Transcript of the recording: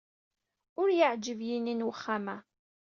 Ur iyi-yeɛjib yini n wexxam-a.